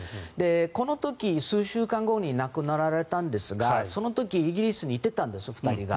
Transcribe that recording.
この時、数週間後に亡くなられたんですがその時イギリスに行ってたんです２人が。